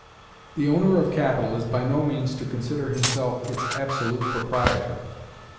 The owner of capital is by no means to consider himself its absolute proprietor.